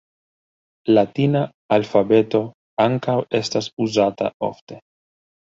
Latina alfabeto ankaŭ estas uzata ofte.